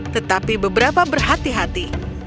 tetapi beberapa berhati hati